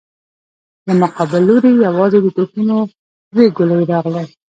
له مقابل لورې يواځې د توپونو دوې ګولۍ راغلې.